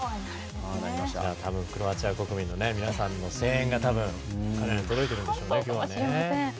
クロアチア国民の皆さんの声援も彼らに届いてるんでしょうね、今日は。